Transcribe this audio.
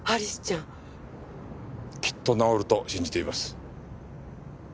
きっと治ると信じています。